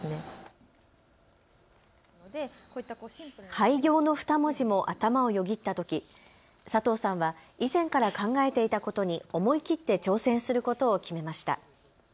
廃業の二文字も頭をよぎったとき佐藤さんは以前から考えていたことに思い切って挑戦することを決めました。